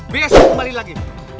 besok kembali lagi